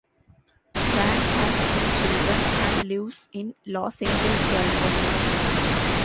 Tran has two children and lives in Los Angeles, California.